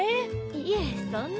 いえそんな。